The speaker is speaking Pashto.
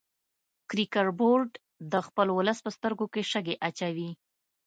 کرکټ بورډ د خپل ولس په سترګو کې شګې اچوي